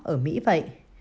ở mỹ vậy